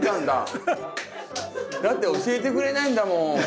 だって教えてくれないんだもん。